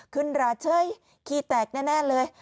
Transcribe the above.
ขึ้นราเฉยขี้แตกแน่เลย